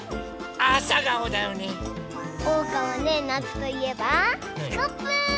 おうかはねなつといえばスコップ！